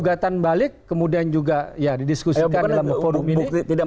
gugatan balik kemudian juga ya didiskusikan dalam forum ini